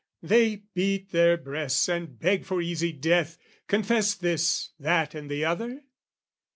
They beat their breasts and beg for easy death, Confess this, that, and the other?